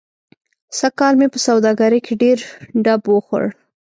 سږ کال مې په سوادګرۍ کې ډېر ډب و خوړ.